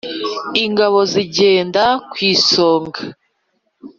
Ingabo nzigenda ku isonga,